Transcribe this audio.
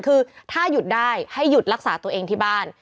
คือถ้าหยุดได้ให้หยุดรักษาตัวเองที่บ้าน